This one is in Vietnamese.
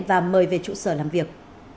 và mời về trụ sở làm việc